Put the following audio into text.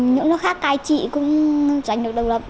những nước khác cai trị cũng giành được độc lập